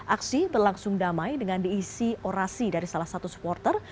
aksi berlangsung damai dengan diisi orasi dari salah satu supporter